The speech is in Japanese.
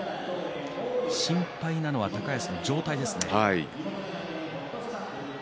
心配なのは高安の状態ですね。